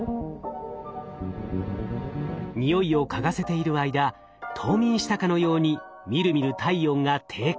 においを嗅がせている間冬眠したかのようにみるみる体温が低下。